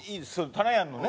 たなやんのね。